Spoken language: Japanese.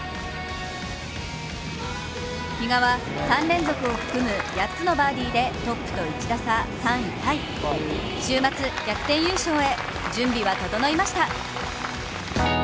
比嘉は３連続を含む８つのバーディーでトップと１打差３位タイ、週末逆転優勝へ準備は整いました。